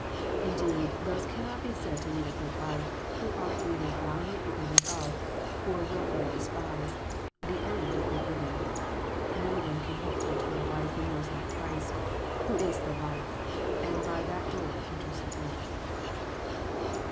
Indeed, those cannot be said to lead a good life, who are either blindly ignorant of, or wilftiUy despise, the end of good living. No one can hope for eternal life who knows not Christ, who is the life, and by that door enters the fold."